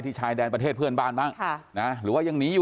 ชายแดนประเทศเพื่อนบ้านบ้างค่ะนะหรือว่ายังหนีอยู่